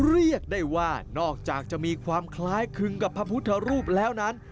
เรียกได้ว่านอกจากจะมีความคล้ายคลึงกับพระพุทธรูปแล้วนั้น